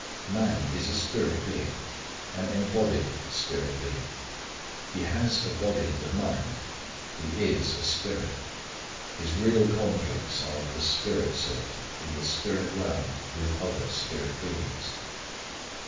Man is a spirit being; an embodied spirit being. He has a body and a mind. He is a spirit. His real conflicts are of the spirit sort; in the spirit realm, with other spirit beings.